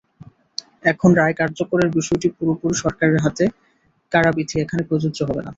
এখন রায় কার্যকরের বিষয়টি পুরোপুরি সরকারের হাতে, কারাবিধি এখানে প্রযোজ্য হবে না।